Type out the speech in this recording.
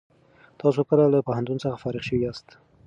تاسو کله له پوهنتون څخه فارغ شوي یاست؟